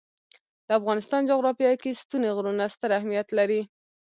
د افغانستان جغرافیه کې ستوني غرونه ستر اهمیت لري.